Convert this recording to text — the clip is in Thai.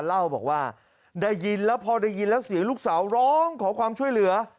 เล่าบอกว่าได้ยินแล้วพอได้ยินแล้วเสียงลูกสาวร้องขอความช่วยเหลือ